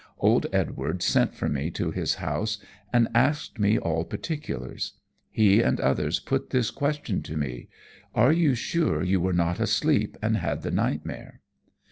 Old Edward sent for me to his house and asked me all particulars. He and others put this question to me: "Are you sure you were not asleep and had the nightmare?"